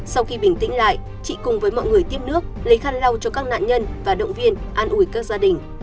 sau khi bình tĩnh lại chị cùng với mọi người tiếp nước lấy khăn lau cho các nạn nhân và động viên an ủi các gia đình